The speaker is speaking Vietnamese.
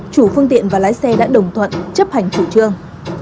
chủ phương tiện và lái xe đã đồng thuận chấp hành chủ trương